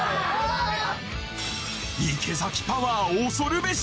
池崎パワー恐るべし！